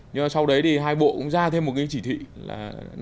nhưng mà sau đấy thì hai bộ cũng ra thêm một cái chỉ thị là năm mươi tám